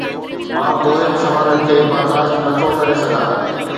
مان بورنگ سوالن کي برداشت نٿو ڪري سگهان